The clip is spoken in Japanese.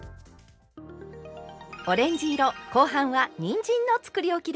オレンジ色後半はにんじんのつくりおきです。